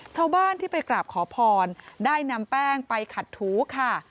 ชาวบ้านที่ไปกราบขอพรได้นำแป้งไปขัดถูค่ะ